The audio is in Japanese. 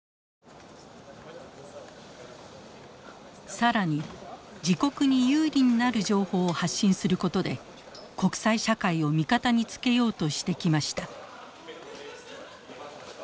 更に自国に有利になる情報を発信することで国際社会を味方につけようとしてきました。